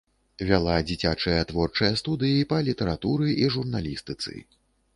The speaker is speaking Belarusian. Вяла дзіцячыя творчыя студыі па літаратуры і журналістыцы.